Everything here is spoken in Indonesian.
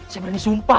saya berani sumpah